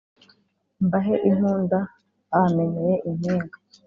Mbahe impunda babamenyeye impinga.